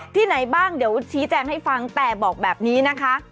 ไหนบ้างเดี๋ยวชี้แจงให้ฟังแต่บอกแบบนี้นะคะ